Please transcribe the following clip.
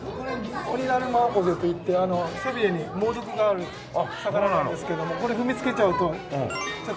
オニダルマオコゼといって背びれに猛毒がある魚なんですけどもこれ踏みつけちゃうとちょっと危ない。